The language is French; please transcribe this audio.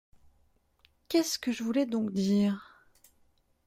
Qu'est-ce que je voulais donc dire ?